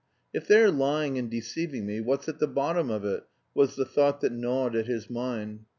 "If they're lying and deceiving me, what's at the bottom of it?" was the thought that gnawed at his mind.